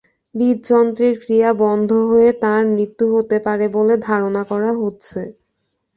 হূদযন্ত্রের ক্রিয়া বন্ধ হয়ে তাঁর মৃত্যু হতে পারে বলে ধারণা করা হচ্ছে।